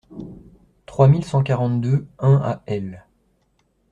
trois mille cent quarante-deux-un à L.